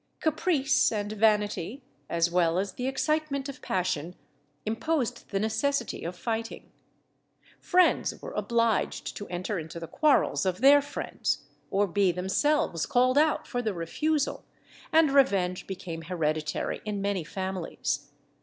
Caprice and vanity, as well as the excitement of passion, imposed the necessity of fighting. Friends were obliged to enter into the quarrels of their friends, or be themselves called out for their refusal, and revenge became hereditary in many families.